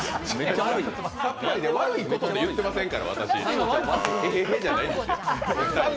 悪いことって言うてませんからえへへじゃないんですよ。